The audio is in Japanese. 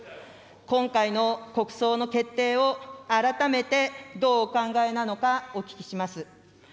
今回の国葬の決定を、改めてどうお考えなのか、お聞きします。